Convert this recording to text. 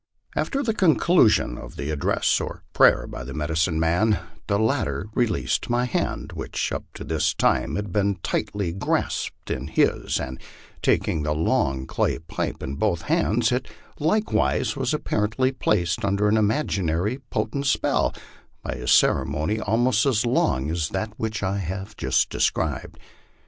After the conclusion of the address or prayer by the medicine man, the latter released my hand, which up to this time had been tightly grasped in his, and taking the long clay pipe in both hands, it likewise was apparently placed under an imaginary potent spell, by a ceremony almost as long as that which I have just described.